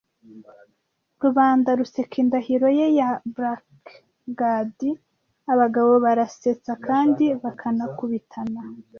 Rubanda ruseka indahiro ye ya blackguard, abagabo barasetsa kandi bakanakubitana,